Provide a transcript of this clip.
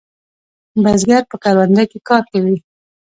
بزگر په کرونده کې کار کوي.